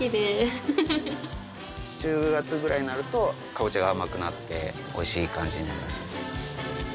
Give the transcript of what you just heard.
１０月ぐらいになるとかぼちゃが甘くなっておいしい感じになります。